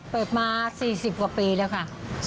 เปิดมา๔๐กว่าปีแล้วค่ะ